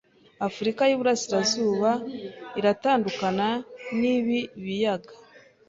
Afurika y'Iburasirazuba iratandukana n'ibi biyaga